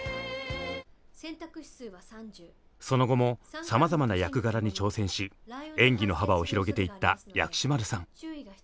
その後もさまざまな役柄に挑戦し演技の幅を広げていった薬師丸さん。